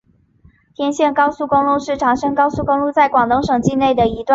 天汕高速公路是长深高速公路在广东省境内的一段。